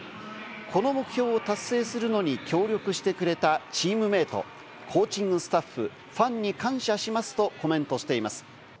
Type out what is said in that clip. この目標を達成するのに協力してくれたチームメート、コーチングスタッフ、ファンに感謝しますとコメントしています。